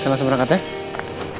selasam berangkat ya